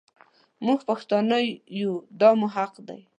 مونږ پښتانه يو دا مو حق دی.